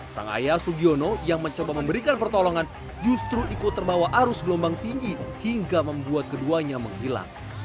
sang ayah sugiono yang mencoba memberikan pertolongan justru ikut terbawa arus gelombang tinggi hingga membuat keduanya menghilang